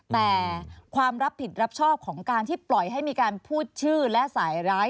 แต่ความรับผิดรับชอบของการที่ปล่อยให้มีการพูดชื่อและสายร้าย